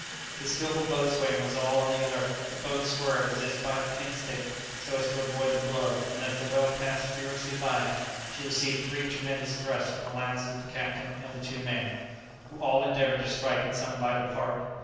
The skilful boatswain was all on the alert; the boat swerved, as if by instinct, so as to avoid the blow, and as the whale passed furiously by, she received three tremendous thrusts from the lances of the captain and the two men, who all endeavoured to strike at some vital part.